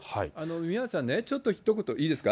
宮根さんね、ちょっとひと言いいですか。